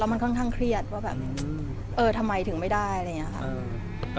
มันค่อนข้างเครียดว่าแบบเออทำไมถึงไม่ได้อะไรอย่างนี้ค่ะ